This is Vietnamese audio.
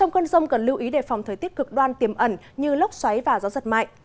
cần lưu ý để phòng thời tiết cực đoan tiềm ẩn như lốc xoáy và gió giật mạnh